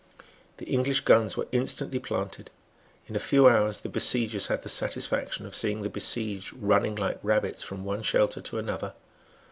The English guns were instantly planted. In a few hours the besiegers had the satisfaction of seeing the besieged running like rabbits from one shelter to another.